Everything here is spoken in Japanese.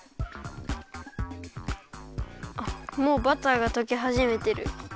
あっもうバターがとけはじめてる。